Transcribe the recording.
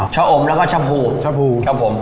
ชะอมแล้วก็ชะพูชะพูครับผม